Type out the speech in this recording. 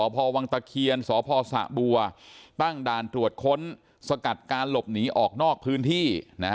เป้างด่านตรวจค้นสกัดการหลบหนีออกนอกพื้นที่